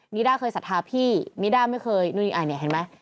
นิด้าเคยศรัทธาพี่นิด้าไม่เคยนู่นนี่อันนี้เห็นไหม